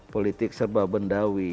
politik serba bendawi